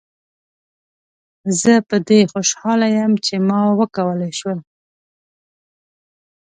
زه په دې خوشحاله یم چې ما وکولای شول.